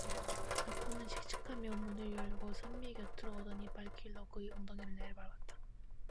덕호는 씩씩하며 문을 걸고 선비의 곁으로 오더니 발길로 그의 엉덩이를 내려밟았다.